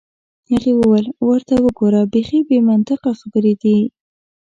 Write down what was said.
هغې وویل: ورته وګوره، بیخي بې منطقه خبرې دي.